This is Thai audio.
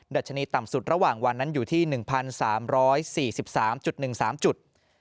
ัชนีต่ำสุดระหว่างวันนั้นอยู่ที่๑๓๔๓๑๓จุด